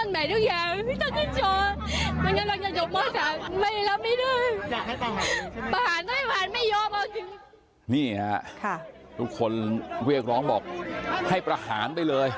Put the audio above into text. นี่ค่ะทุกคนเรียกร้องบอกให้ประหารไปเลย